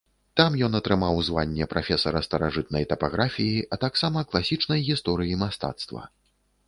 Там ён атрымаў званне прафесара старажытнай тапаграфіі, а таксама класічнай гісторыі мастацтва.